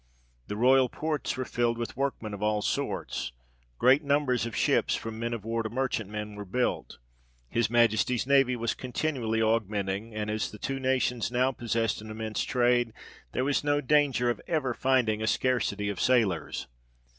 The royal ports were filled with workmen of all sorts : great numbers of ships, from men of war to merchantmen, were built : his Majesty's navy was continually augmenting ; and as the two nations now possessed an immense trade, there was no danger of ever finding a scarcity of sailors.